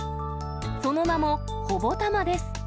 その名も、ほぼたまです。